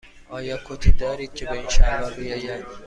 آیا کتی دارید که به این شلوار بیاید؟